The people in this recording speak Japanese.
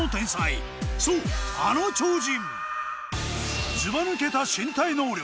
そうあの超人